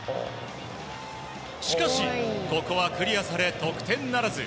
しかし、ここはクリアされ得点ならず。